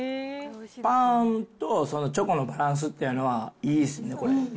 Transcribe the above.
パンとチョコのバランスっていうのはいいですね、これ。